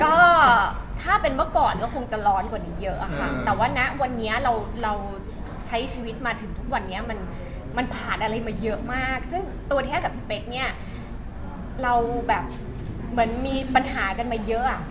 ก็ถ้าเป็นเมื่อก่อนก็คงจะร้อนกว่านี้เยอะค่ะแต่ว่านะวันนี้เราเราใช้ชีวิตมาถึงทุกวันนี้มันผ่านอะไรมาเยอะมากซึ่งตัวแท้กับพี่เป๊กเนี่ยเราแบบเหมือนมีปัญหากันมาเยอะอ่ะ